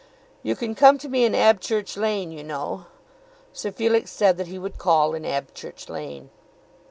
"You can come to me in Abchurch Lane, you know." Sir Felix said that he would call in Abchurch Lane.